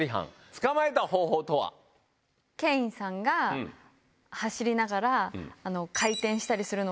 ケインさんが走りながら。